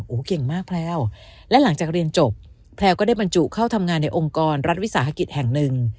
โอ้โหเก่งมากแพลวและหลังจากเรียนจบแพลวก็ได้บรรจุเข้าทำงานในองค์กรรัฐวิสาหกิจแห่งหนึ่ง